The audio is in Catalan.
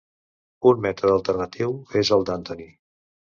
Un mètode alternatiu és el d'Antony.